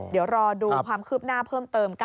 เดี๋ยวรอดูความคืบหน้าเพิ่มเติม